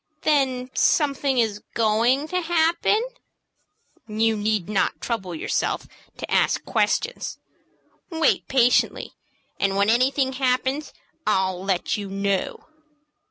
"Then something is going to happen?" "You need not trouble yourself to ask questions. Wait patiently, and when anything happens I'll let you know."